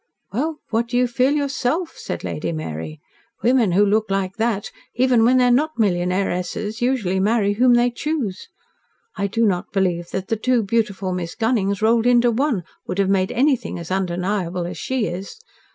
"Well, what do you feel yourself?" said Lady Mary. "Women who look like that even when they are not millionairesses usually marry whom they choose. I do not believe that the two beautiful Miss Gunnings rolled into one would have made anything as undeniable as she is.